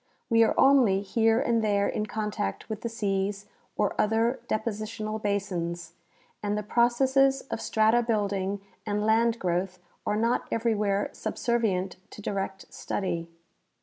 We are only here and there in contact with the seas or other depositional basins, and the pro cesses of strata building and land growth are not everywhere sub servient to direct study.